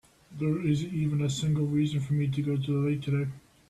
There isn't even a single reason for me to go to the lake today.